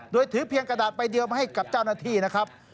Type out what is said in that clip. โดยถือเพียงกระดาษใบเดียวมาให้กับเจ้าหน้าที่นะครับ